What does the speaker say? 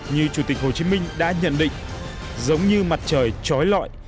như chủ tịch hồ chí minh đã nhận định giống như mặt trời trói lọi